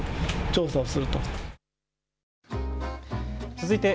続いて＃